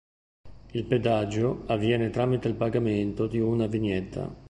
Il pedaggio avviene tramite il pagamento di una vignetta.